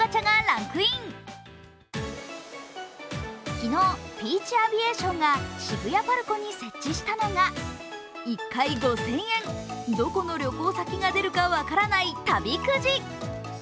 昨日、ピーチ・アビエーションが渋谷ＰＡＲＣＯに設置したのが１回５０００円、どこの旅行先が出るか分からない旅くじ。